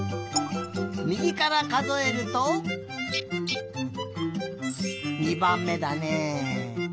みぎからかぞえると２ばんめだね。